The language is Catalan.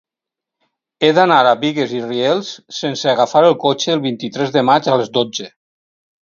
He d'anar a Bigues i Riells sense agafar el cotxe el vint-i-tres de maig a les dotze.